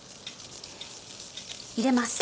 入れます。